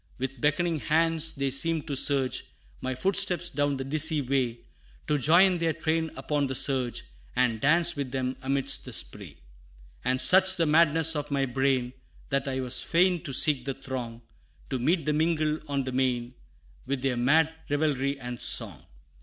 With beckoning hands they seemed to urge My footsteps down the dizzy way, To join their train upon the surge, And dance with them amidst the spray: And such the madness of my brain, That I was fain to seek the throng; To meet and mingle on the main, With their mad revelry and song.